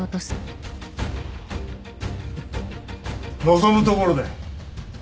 望むところだよ。